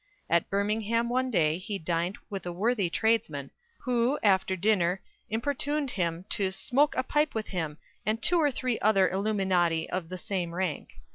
At Birmingham one day he dined with a worthy tradesman, who, after dinner, importuned him "to smoke a pipe with him, and two or three other illuminati of the same rank."